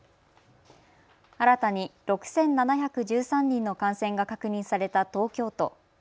新たに６７１３人の感染が確認された東京都。